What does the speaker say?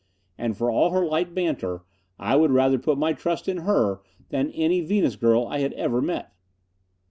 And for all her light banter, I would rather put my trust in her than any Venus girl I had ever met.